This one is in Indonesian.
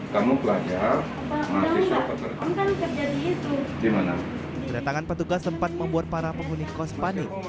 kamu belajar masih sopet di mana kedatangan petugas sempat membuat para penghuni kos panik